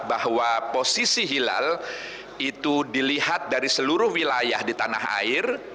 bahwa posisi hilal itu dilihat dari seluruh wilayah di tanah air